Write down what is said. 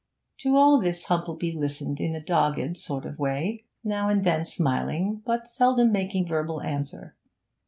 To all this Humplebee listened in a dogged sort of way, now and then smiling, but seldom making verbal answer.